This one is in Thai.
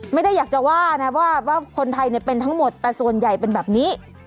ไม่ได้อยากจะว่านะว่าคนไทยเป็นทั้งหมดแต่ส่วนใหญ่เป็นแบบนี้